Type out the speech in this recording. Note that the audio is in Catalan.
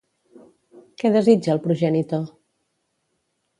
Què desitja el progenitor?